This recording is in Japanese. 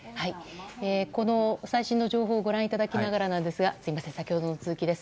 この最新の情報をご覧いただきながらなんですが先ほどの続きです。